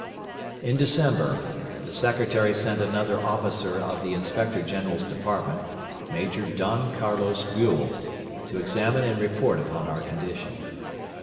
In December the secretary sent another officer of the Inspector general's Department, Major Don Carlos Buell, to examine and report upon our condition.